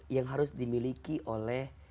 yang harus dimiliki oleh